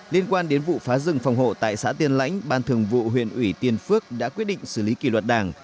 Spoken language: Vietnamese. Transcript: liên quan đến vụ phá rừng phòng hộ tại xã tiên lãnh ban thường vụ huyện ủy tiền phước đã quyết định xử lý kỷ luật đảng